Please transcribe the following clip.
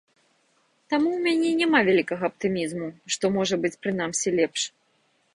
Таму ў мяне няма вялікага аптымізму, што можа быць прынамсі лепш.